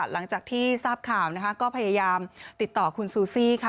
หลังจากที่ทราบข่าวนะคะก็พยายามติดต่อคุณซูซี่ค่ะ